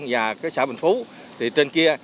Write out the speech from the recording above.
và cái xã bình phú thì trên kia